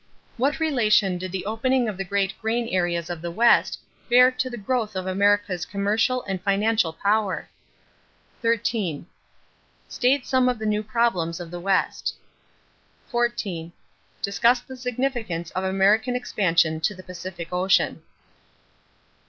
What relation did the opening of the great grain areas of the West bear to the growth of America's commercial and financial power? 13. State some of the new problems of the West. 14. Discuss the significance of American expansion to the Pacific Ocean.